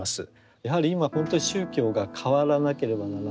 やはり今本当に宗教が変わらなければならない。